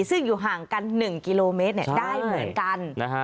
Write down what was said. ซึ่งอยู่ห่างกัน๑กิโลเมตรได้เหมือนกัน